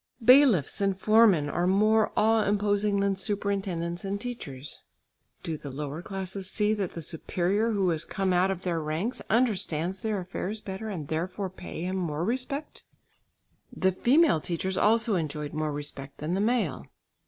Bailiffs and foremen are more awe imposing than superintendents and teachers. Do the lower classes see that the superior who has come out of their ranks understands their affairs better, and therefore pay him more respect? The female teachers also enjoyed more respect than the male.